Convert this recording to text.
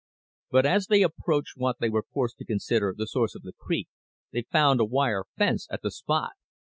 But as they approached what they were forced to consider the source of the creek, they found a wire fence at the spot.